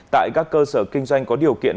tại các cơ sở kinh doanh có điều kiện